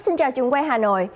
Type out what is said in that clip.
xin chào trường quay hà nội